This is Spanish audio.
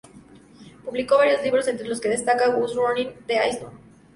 Publicó varios libros, entre los que destaca "Who's Running the Asylum?